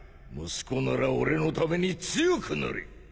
息子なら俺のために強くなれ